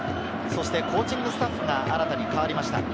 そしてコーチングスタッフが新たに代わりました。